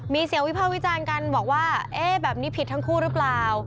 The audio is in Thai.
มีเสียงวิภาควิจารณ์กันบอกว่าเอ๊ะแบบนี้ผิดทั้งคู่หรือเปล่า